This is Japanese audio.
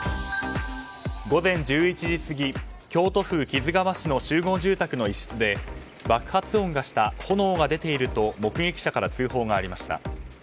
午前１１時過ぎ京都府木津川市の集合住宅の一室で爆発音がした炎が出ていると目撃者から通報がありました。